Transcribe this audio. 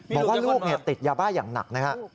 บอกว่าลูกติดยาบ้าอย่างหนักนะฮะ